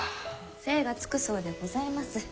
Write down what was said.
精がつくそうでございます。